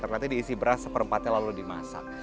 ternyata diisi beras seperempatnya lalu dimasak